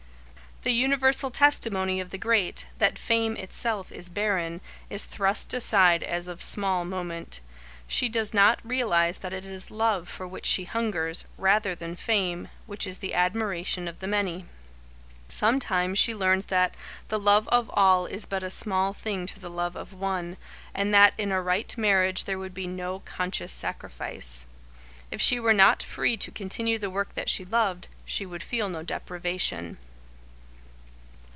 The universal testimony of the great, that fame itself is barren, is thrust aside as of small moment. She does not realise that it is love for which she hungers, rather than fame, which is the admiration of the many. Sometimes she learns that "the love of all is but a small thing to the love of one" and that in a right marriage there would be no conscious sacrifice. If she were not free to continue the work that she loved, she would feel no deprivation.